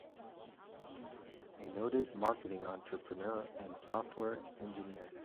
A noted Marketing Entrepreneur and Software Engineer.